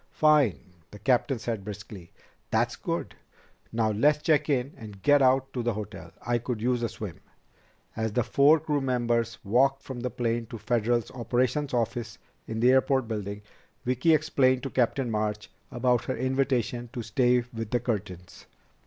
"Fine," the captain said briskly. "That's good. Now let's check in and get out to the hotel. I could use a swim." As the four crew members walked from the plane to Federal's operations office in the airport building, Vicki explained to Captain March about her invitation to stay with the Curtins.